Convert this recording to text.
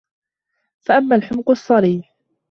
فَأَمَّا الْحُمْقُ الصَّرِيحُ